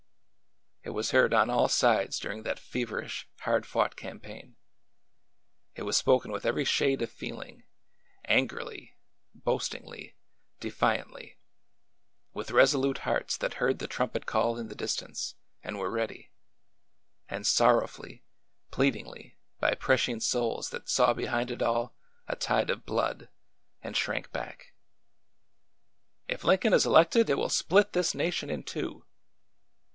It was heard on all sides during that feverish, hard fought campaign ; it was spoken with every shade of feel ing — angrily, boastingly, defiantly; with resolute hearts that heard the trumpet call in the distance, and were ready ; and sorrowfully, pleadingly, by prescient souls that saw behind it all a tide of blood and shrank back. " If Lincoln is elected it will split this nation in two